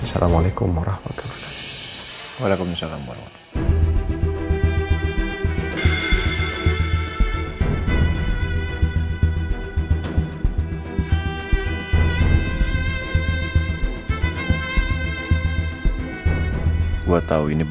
assalamu'alaikum warahmatullahi wabarakatuh